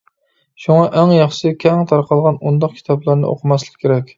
شۇڭا، ئەڭ ياخشىسى، كەڭ تارقالغان ئۇنداق كىتابلارنى ئوقۇماسلىق كېرەك.